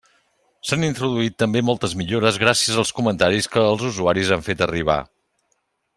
S'han introduït també moltes millores gràcies als comentaris que els usuaris han fet arribar.